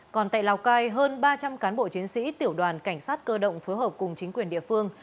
còn tại lào cai hơn ba trăm linh cán bộ chiến sĩ tiểu đoàn cảnh sát cơ động phối hợp cùng chính quyền địa phương